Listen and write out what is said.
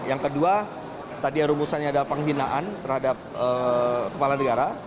yang kedua tadi rumusannya adalah penghinaan terhadap kepala negara